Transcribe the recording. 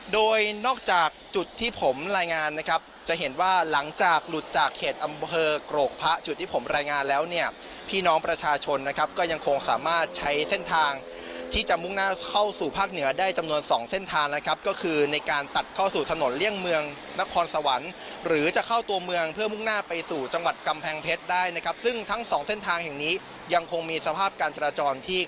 โดยนอกจากจุดที่ผมรายงานนะครับจะเห็นว่าหลังจากหลุดจากเขตอำเภอกรกพะจุดที่ผมรายงานแล้วเนี่ยพี่น้องประชาชนนะครับก็ยังคงสามารถใช้เส้นทางที่จะมุ่งหน้าเข้าสู่ภาคเหนือได้จำนวนสองเส้นทางนะครับก็คือในการตัดเข้าสู่ถนนเลี่ยงเมืองนครสวรรค์หรือจะเข้าตัวเมืองเพื่อมุ่งหน้าไปสู่จังหวัดกำแพงเพชร